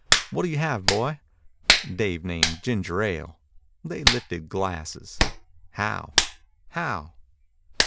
What'll you have, boy?" Dave named ginger ale. They lifted glasses. "How?" "How?"